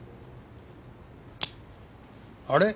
あれ？